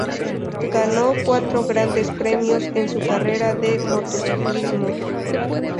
Ganó cuatro Grandes Premios en su carrera de motociclismo.